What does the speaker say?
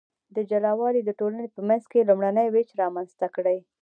دې جلا والي د ټولنې په منځ کې لومړنی ویش رامنځته کړ.